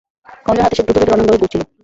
খঞ্জর হাতে সে দ্রুতবেগে রণাঙ্গনে ঘুরছিল।